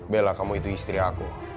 bela kamu itu istri aku